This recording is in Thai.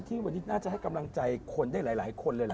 วันนี้น่าจะให้กำลังใจคนได้หลายคนเลยล่ะ